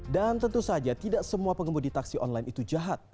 dan tentu saja tidak semua pengembudi taksi online itu jahat